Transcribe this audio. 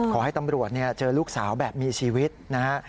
ขอให้ตำรวจเจอลูกสาวแบบมีชีวิตนะฮะ